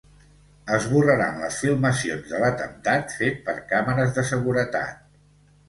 Esborraran les filmacions de l'atemptat fet per càmeres de seguretat